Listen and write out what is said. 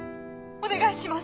お願いします。